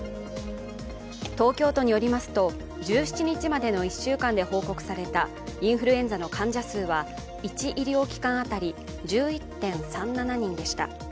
東京都によりますと１７日までの１週間で報告されたインフルエンザの患者数は１医療機関当たり１１．３７人でした。